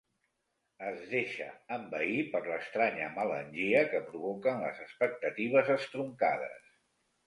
Es deixa envair per l'estranya melangia que provoquen les expectatives estroncades.